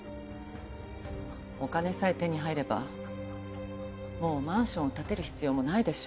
お金さえ手に入ればもうマンションを建てる必要もないでしょ。